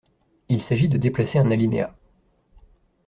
Il s’agit de déplacer un alinéa.